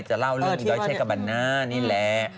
จะเล่าเรื่องอีด้อยเชกะบันน่านี่แหละ